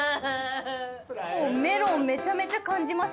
メロンめちゃめちゃ感じます。